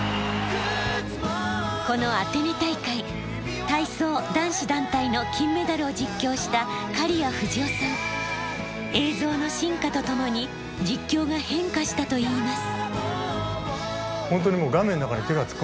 このアテネ大会体操男子団体の金メダルを実況した映像の進化とともに実況が変化したといいます。